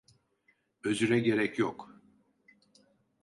Özüre gerek yok.